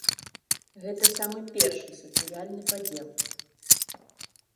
Гэта самы першы сацыяльны падзел.